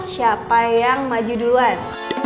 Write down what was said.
siapa yang maju duluan